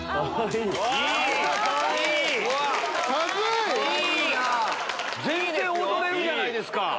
全然踊れるじゃないですか。